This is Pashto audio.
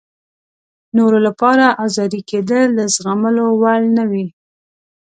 نورو لپاره ازاري کېدل د زغملو وړ نه وي.